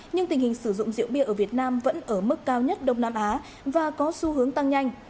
nhưng tình hình sử dụng rượu bia ở việt nam vẫn ở mức cao nhất đông nam á và có xu hướng tăng nhanh